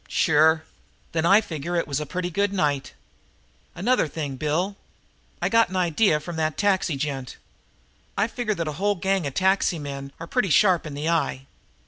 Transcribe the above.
"Sure." "Then I figure it was a pretty good night. "Another thing, Bill. I got an idea from that taxi gent. I figure that whole gang of taxi men are pretty sharp in the eye.